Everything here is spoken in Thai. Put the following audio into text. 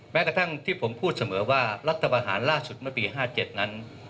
แม้กระทั่งที่ผมพูดเสมอว่ารัฐประหารล่าสุดเมื่อปี๕๗นั้น